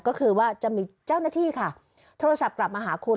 ก็คือว่าจะมีเจ้าหน้าที่ค่ะโทรศัพท์กลับมาหาคุณ